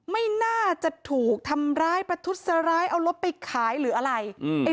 ไม่น่าจะถูกทำร้ายประทุษร้ายเอารถไปขายหรืออะไร